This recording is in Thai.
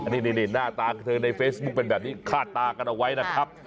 นี่หน้าตาของเธอในเฟซบุ๊คเป็นแบบนี้คาดตากันเอาไว้นะครับ